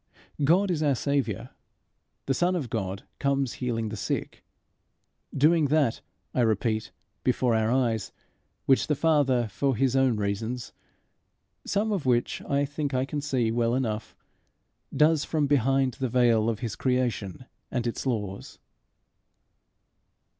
God is our Saviour: the Son of God comes healing the sick doing that, I repeat, before our eyes, which the Father, for his own reasons, some of which I think I can see well enough, does from behind the veil of his creation and its laws.